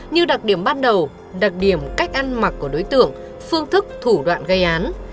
như đặc điểm ban đầu đặc điểm cách ăn mặc của đối tượng phương thức thủ đoạn gây án